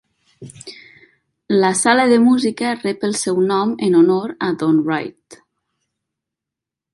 La sala de música rep el seu nom en honor a Don Wright.